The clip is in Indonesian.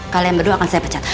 kalian berdua akan saya pecat